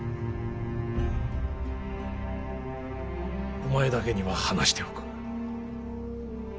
お前だけには話しておく。